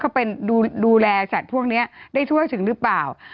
ไปดูแลสัตว์พวกนี้ได้ทั่วถึงหรือเปล่า